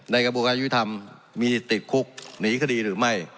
กระบวนการยุทธรรมมีติดคุกหนีคดีหรือไม่